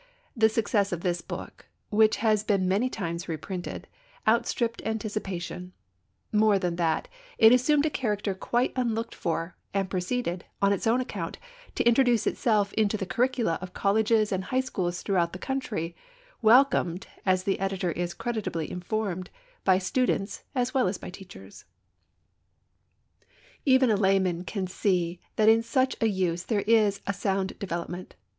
The success of this book, which has been many times reprinted, outstripped anticipation; more than that, it assumed a character quite unlooked for, and proceeded, on its own account, to introduce itself into the curricula of colleges and high schools throughout the country, welcomed, as the editor is credibly informed, by students as well as by teachers. Even a layman can see that in such a use there is a sound development.